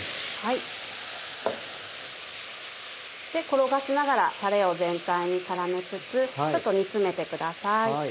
転がしながらタレを全体に絡めつつちょっと煮詰めてください。